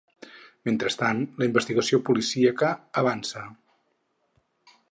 Mentrestant, la investigació policíaca avança.